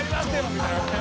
みたいなね。